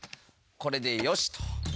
これでよしっと！